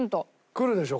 くるでしょ？